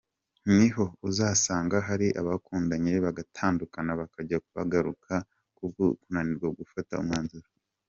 Niho uzasanga hari abakundanye bagatandukana bakajya bagaruka kubwo kunanirwa gufata umwanzuro.